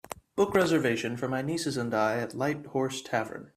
Book reservation for my nieces and I at Light Horse Tavern